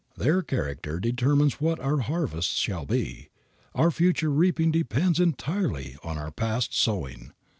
Their character determines what our harvests shall be. Our future reaping depends entirely on our past sowing.